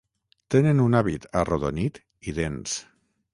Tenen un hàbit arrodonit i dens.